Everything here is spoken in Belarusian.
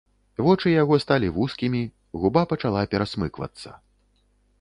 Вочы яго сталі вузкімі, губа пачала перасмыквацца.